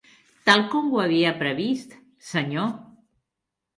Tal com ho havia previst, senyor.